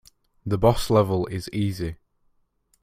The boss level is easy.